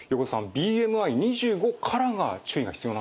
ＢＭＩ２５からが注意が必要なんですね。